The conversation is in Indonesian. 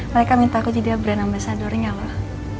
mereka minta aku jadi brand ambasadornya loh